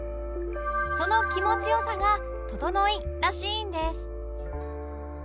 その気持ち良さが「ととのい」らしいんです